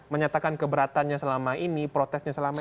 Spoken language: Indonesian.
menyatakan keberatannya selama ini protesnya selama ini